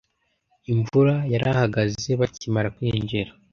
Imvura yarahagaze bakimara kwinjira.